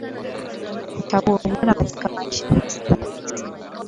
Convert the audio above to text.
chaguo bora katika maisha linastahili sana